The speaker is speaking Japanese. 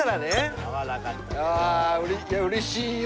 いやうれしいよ。